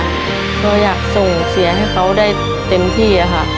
ก็อยากส่งเสียให้เขาได้เต็มที่ค่ะ